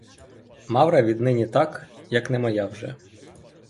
Мавра віднині так, як не моя вже.